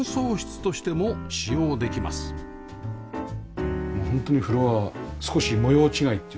もうホントにフロアは少し模様違いっていうかね。